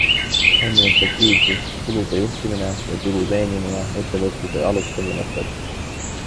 On ju efektiivsus, kulude juhtimine ja tulu teenimine ettevõtluse aluspõhimõtted.